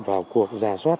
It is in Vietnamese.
vào cuộc giả soát